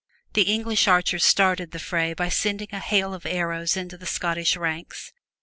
The English archers started the fray by sending a hail of arrows into the Scottish ranks.